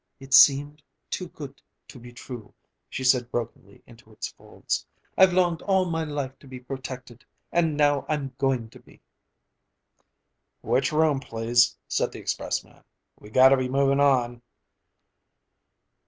"It seemed too good to be true," she said brokenly into its folds. "I've longed all my life to be protected, and now I'm going to be!" "Which room, please?" said the expressman. "We gotta be goin' on."